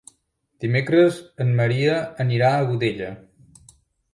Dimecres en Maria anirà a Godella.